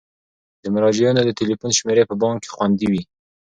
د مراجعینو د تلیفون شمیرې په بانک کې خوندي وي.